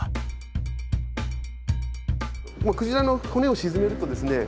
鯨の骨を沈めるとですね